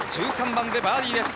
１３番でバーディーです。